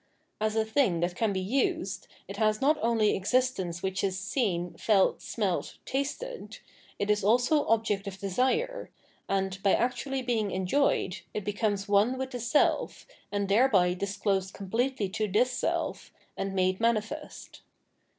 As a thing that can be used, it has not only existence which is seen, felt, smelt, tasted ; it is also object of desire, and, by actually being enjoyed, it becomes one with the self, and thereby disclosed completely to this self, and made manifest.